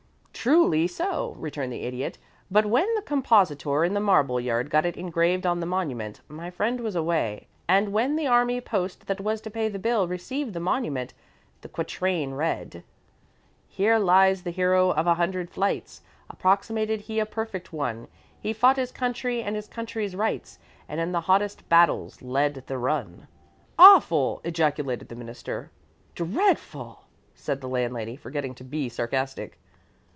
"Truly so," returned the Idiot. "But when the compositor in the marble yard got it engraved on the monument, my friend was away, and when the army post that was to pay the bill received the monument, the quatrain read, "'Here lies the hero of a hundred flights Approximated he a perfect one; He fought his country and his country's rights, And in the hottest battles led the run.'" "Awful!" ejaculated the Minister. "Dreadful!" said the landlady, forgetting to be sarcastic.